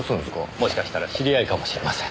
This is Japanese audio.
もしかしたら知り合いかもしれません。